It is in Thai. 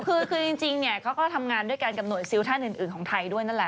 คือจริงเนี่ยเขาก็ทำงานด้วยกันกับหน่วยซิลท่านอื่นของไทยด้วยนั่นแหละ